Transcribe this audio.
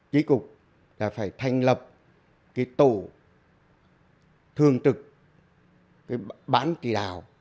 tri cục là phải thành lập cái tổ thương trực cái bán kỳ đạo